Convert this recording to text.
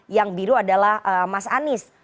yang biru adalah mas anies